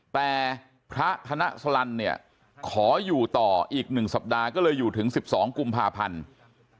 แต่พระธนสลันเนี่ยขออยู่ต่ออีก๑สัปดาห์ก็เลยอยู่ถึง๑๒กุมภาพันธ์